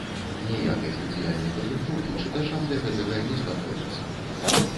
Ніякай спецыяльнай падрыхтоўкі чытачам для гэтага не спатрэбіцца.